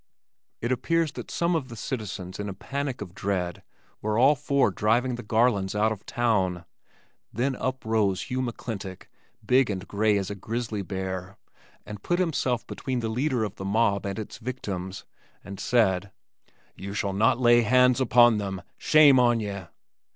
It appears that some of the citizens in a panic of dread were all for driving the Garlands out of town then up rose old Hugh McClintock, big and gray as a grizzly bear, and put himself between the leader of the mob and its victims, and said, "You shall not lay hands upon them. Shame on ye!"